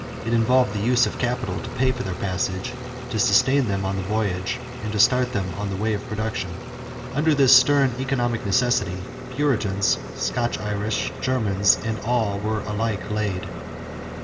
It involved the use of capital to pay for their passage, to sustain them on the voyage, and to start them on the way of production. Under this stern economic necessity, Puritans, Scotch Irish, Germans, and all were alike laid.